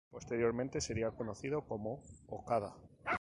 Posteriormente, sería conocido como Okada.